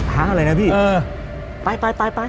หาอะไรนะพี่ไป